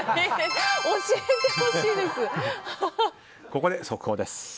ここで、速報です。